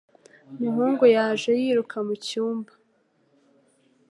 Umuhungu yaje yiruka mu cyumba